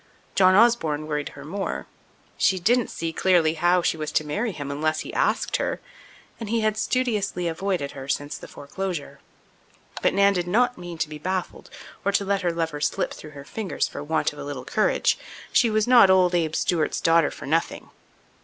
John Osborne worried her more. She didn't see clearly how she was to marry him unless he asked her, and he had studiously avoided her since the foreclosure. But Nan did not mean to be baffled or to let her lover slip through her fingers for want of a little courage. She was not old Abe Stewart's daughter for nothing.